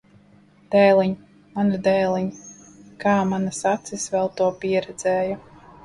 Dēliņ! Manu dēliņ! Kā manas acis vēl to pieredzēja!